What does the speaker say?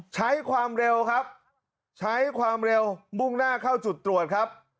ใช้ความเร็วครับใช้ความเร็วมุ่งหน้าเข้าจุดตรวจครับ